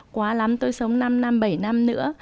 quá lắm tôi sống năm năm bảy năm nữa